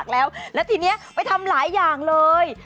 แล้วทีนี้ไปทำหลายอย่างเลย